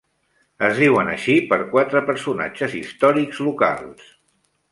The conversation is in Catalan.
Es diuen així per quatre personatges històrics locals.